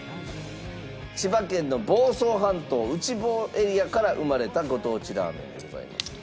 千葉県の房総半島内房エリアから生まれたご当地ラーメンでございます。